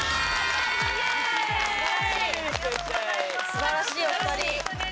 素晴らしいお二人！